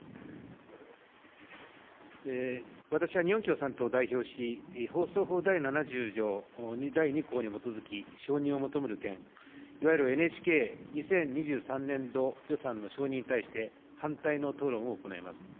私は日本共産党を代表し、放送法第７０条第２項に基づき承認を求める件、いわゆるＮＨＫ２０２３年度予算の承認に対して反対の討論を行います。